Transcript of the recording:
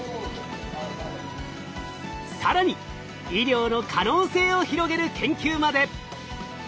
更に医療の可能性を広げる研究まで！